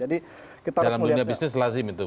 dalam dunia bisnis lazim itu